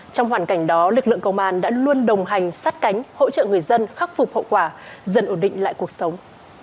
trong hoàn cảnh đó lực lượng công an đã luôn đồng hành sát cánh hỗ trợ người dân khắc phục hậu quả dần ổn định lại cuộc sống